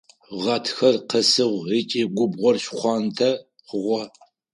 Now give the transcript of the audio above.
Гъатхэр къэсыгъ ыкӏи губгъор шхъуантӏэ хъугъэ.